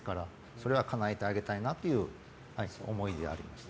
それはかなえてあげたいなという思いでありました。